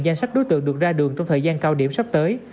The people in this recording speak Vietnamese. danh sách đối tượng được ra đường trong thời gian cao điểm sắp tới